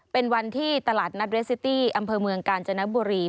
เป็นวันที่ตลาดนัดเรสซิตี้อำเภอเมืองกาญจนบุรี